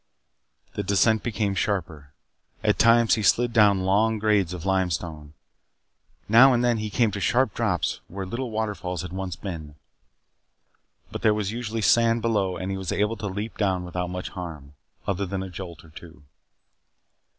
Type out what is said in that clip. The descent became sharper. At times he slid down long grades of limestone. Now and then he came to sharp drops where little waterfalls had once been. But there was usually sand below and he was able to leap down without much harm, other than a jolt or two.